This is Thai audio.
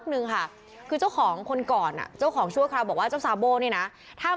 นี่นี่นี่นี่นี่นี่นี่